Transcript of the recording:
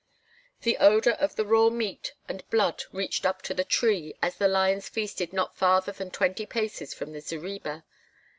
The odor of the raw meat and blood reached up to the tree, as the lions feasted not farther than twenty paces from the zareba.